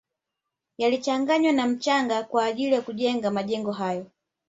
Yalichanganywa na mchanga kwa ajili ya kujengea majengo hayo